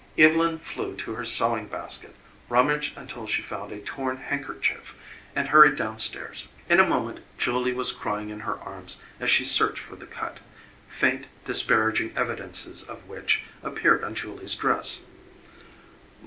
Evylyn flew to her sewing basket, rummaged until she found a torn handkerchief, and hurried downstairs. In a moment Julie was crying in her arms as she searched for the cut, faint, disparaging evidences of which appeared on Julie's dress.